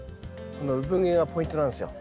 このうぶ毛がポイントなんですよ。